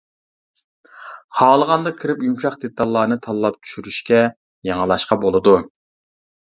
خالىغاندا كىرىپ يۇمشاق دېتاللارنى تاللاپ چۈشۈرۈشكە، يېڭىلاشقا بولىدۇ.